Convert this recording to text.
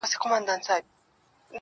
ډیره سنګینه زندګي تیره ووم